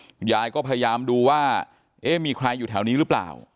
คุณยายก็พยายามดูว่าเอ๊ะมีใครอยู่แถวนี้หรือเปล่า